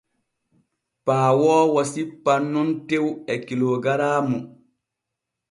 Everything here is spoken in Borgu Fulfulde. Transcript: Paawoowo sippan nun tew e kilogaraamu.